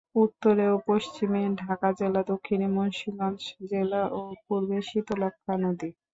উত্তরে ও পশ্চিমে ঢাকা জেলা, দক্ষিণে মুন্সিগঞ্জ জেলা ও পূর্বে শীতলক্ষ্যা নদী।